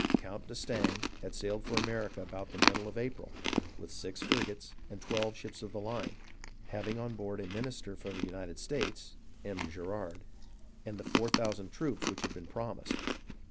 Count d'Estaing had sailed for America about the middle of April, with six frigates and twelve ships of the line, having on board a minister for the United States [M. Gerard] and the four thousand troops which had been promised.